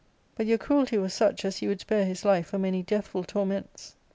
But your cruelty was such as you would spare his life for many deathful torments.